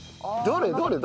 どれ？